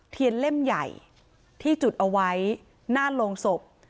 เทียนเล่มใหญ่ที่จุดไว้หน้าโรงศพ